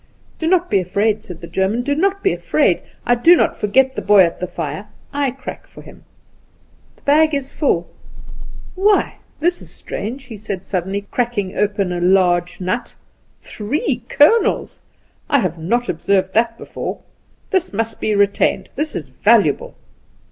"Do not be afraid," said the German, "do not be afraid. I do not forget the boy at the fire; I crack for him. The bag is full. Why, this is strange," he said suddenly, cracking upon a large nut; "three kernels! I have not observed that before. This must be retained. This is valuable."